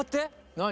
何？